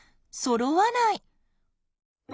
そろわない。